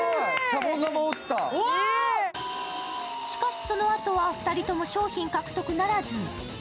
しかし、そのあとは２人とも賞品獲得ならず。